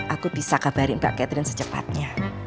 aku bisa kabarin mbak catherine secepatnya